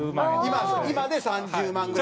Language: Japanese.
今今で３０万ぐらい。